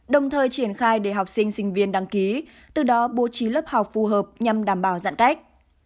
đồng thời triển khai để học sinh sinh viên đăng ký từ đó bố trí lớp học phù hợp nhằm đảm bảo giãn cách